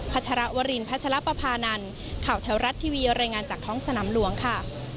ชรวรินพัชรปภานันข่าวแถวรัฐทีวีรายงานจากท้องสนามหลวงค่ะ